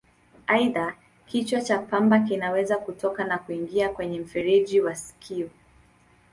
Aidha, kichwa cha pamba kinaweza kutoka na kuingia kwenye mfereji wa sikio.